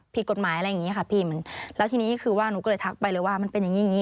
ผิดกฎหมายอะไรอย่างนี้ค่ะพี่มันแล้วทีนี้คือว่าหนูก็เลยทักไปเลยว่ามันเป็นอย่างงี้อย่างงี